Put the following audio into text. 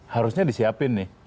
harusnya disiapin nih